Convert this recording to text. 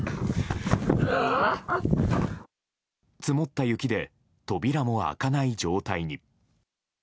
積もった雪で扉も開かない状態に。